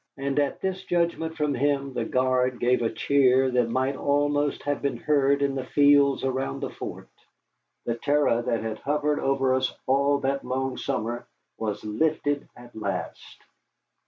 And at this judgment from him the guard gave a cheer that might almost have been heard in the fields around the fort. The terror that had hovered over us all that long summer was lifted at last.